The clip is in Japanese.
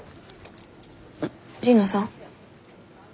神野さん？